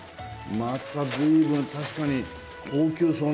また随分確かに高級そうな唐揚げだね。